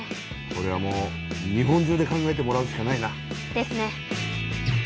これはもう日本中で考えてもらうしかないな。ですね。